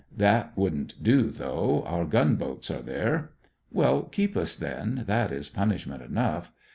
That wouldn't do though, our gunboats are there. Well, keep us then, that is punishment enough.